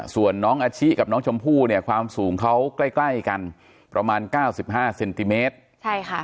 ส่วนน้องอาชิกับน้องชมพู่เนี่ยความสูงเขากล้ายกันประมาณ๙๕เซนติเมตรใช่ค่ะ